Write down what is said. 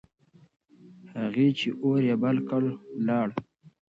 هغه چې اور يې بل کړ، ولاړ.